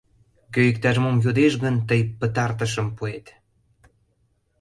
Кӧ иктаж-мом йодеш гын, тый пытартышым пуэт.